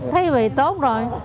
thấy vị tốt rồi